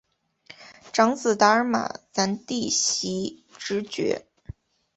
长子达尔玛咱第袭职爵。